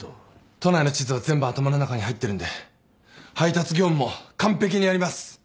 都内の地図は全部頭の中に入ってるんで配達業務も完璧にやります。